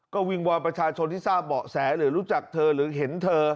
ก็วิงวอนประชาชนที่ทราบเบาะแสหรือรู้จักเธอหรือเห็นเธอ